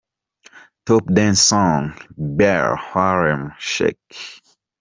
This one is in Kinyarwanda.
Top Dance Song: Baauer "Harlem Shake" .